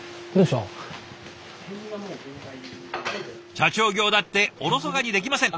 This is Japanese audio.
社長業だっておろそかにできません。